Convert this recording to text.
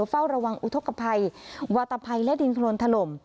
เฝ้าระวังอุทธกภัยวาตภัยและดินโครนถล่ม